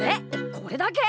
これだけ！？